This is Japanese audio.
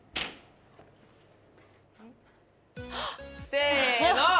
せの！